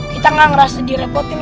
kita gak ngerasa direpotin